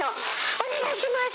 お願いします！